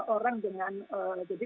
orang dengan jadi